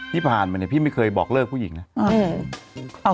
พี่ผ่านไปแล้วพี่ไม่เคยบอกเลือกผู้หญิงนะ